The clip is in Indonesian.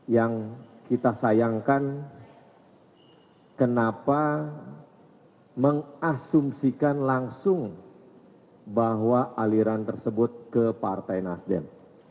yang kita sayangkan kenapa mengasumsikan langsung bahwa aliran tersebut ke partai nasdem